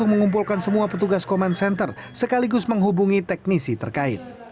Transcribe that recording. mengumpulkan semua petugas command center sekaligus menghubungi teknisi terkait